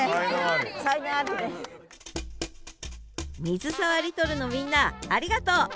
水沢リトルのみんなありがとう！